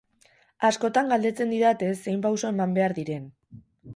Askotan galdetzen didate zein pauso eman behar diren.